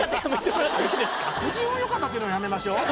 くじ運よかったっていうのはやめましょう？